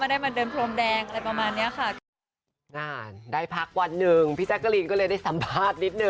มันได้มาเดินพรมแดงอะไรประมาณนี้ค่ะ